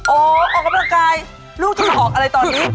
ออกกำลังกายลูกที่หอกอะไรตอนนี้